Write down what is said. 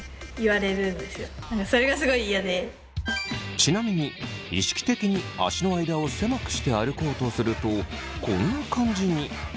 ちなみに意識的に足の間を狭くして歩こうとするとこんな感じに。